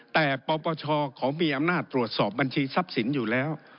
แต่ปปชเขามีอำนาจตรวจสอบบัญชีทรัพย์สินอยู่แล้ว